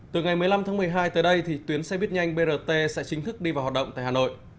từ ngày một mươi năm tháng một mươi hai tới đây thì tuyến xe buýt nhanh brt sẽ chính thức đi vào hoạt động tại hà nội